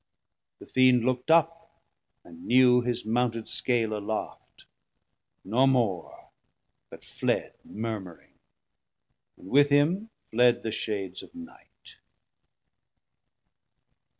The Fiend lookt up and knew His mounted scale aloft: nor more; but fled Murmuring, and with him fled the shades of night.